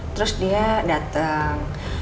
terus dia dateng